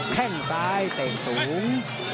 แค่งซ้ายเตะสูง